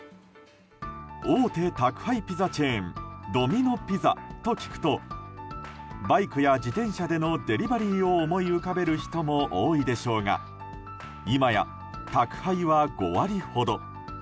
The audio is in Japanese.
大手宅配ピザチェーンドミノピザと聞くとバイクや自転車でのデリバリーを思い浮かべる人も多いでしょうがいまや宅配は５割ほど。